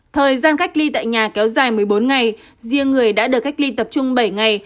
thời gian cách ly tại nhà kéo dài một mươi bốn ngày riêng người đã được cách ly tập trung bảy ngày